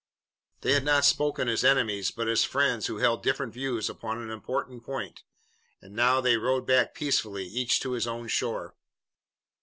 They had not spoken as enemies, but as friends who held different views upon an important point, and now they rowed back peacefully, each to his own shore.